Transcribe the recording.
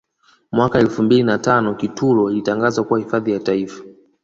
Mwaka elfu mbili na tano Kitulo likatangazwa kuwa hifadhi ya Taifa